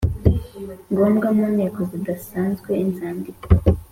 ngombwa mu nteko zidasanzwe inzandiko